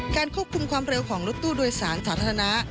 ควบคุมความเร็วของรถตู้โดยสารสาธารณะ